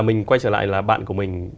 mình quay trở lại là bạn của mình